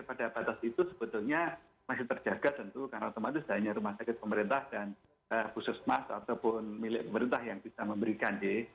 sampai pada batas itu sebetulnya masih terjaga tentu karena otomatis hanya rumah sakit pemerintah dan pusat mas ataupun milik pemerintah yang bisa memberikan deh